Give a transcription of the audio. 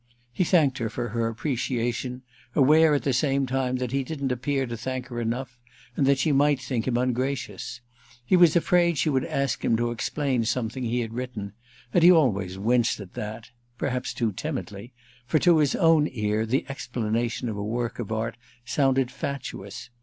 He thanked her for her appreciation—aware at the same time that he didn't appear to thank her enough and that she might think him ungracious. He was afraid she would ask him to explain something he had written, and he always winced at that—perhaps too timidly—for to his own ear the explanation of a work of art sounded fatuous.